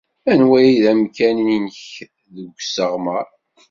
Anwa ay d amkan-nnek n usseɣmer?